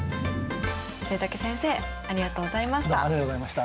季武先生ありがとうございました。